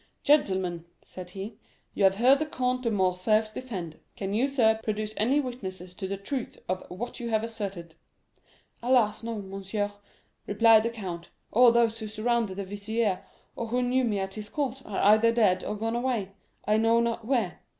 'Gentlemen,' said he, 'you have heard the Comte de Morcerf's defence. Can you, sir, produce any witnesses to the truth of what you have asserted?'—'Alas, no, monsieur,' replied the count; 'all those who surrounded the vizier, or who knew me at his court, are either dead or gone away, I know not where.